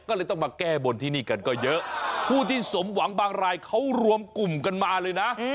ก็เลยต้องมาแก้บนที่นี่กันก็เยอะผู้ที่สมหวังบางรายเขารวมกลุ่มกันมาเลยนะ